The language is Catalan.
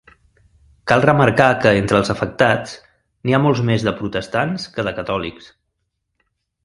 Cal remarcar que entre els afectats, n'hi ha molts més de protestants que de catòlics.